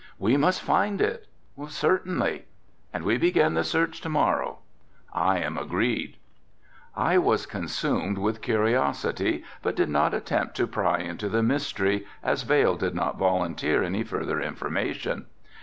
"We must find it." "Certainly." "And begin the search to morrow." "I am agreed." I was consumed with curiosity but did not attempt to pry into the mystery as Vail did not volunteer any further information.